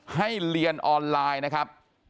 ให้เรียนออนไลน์นะครับ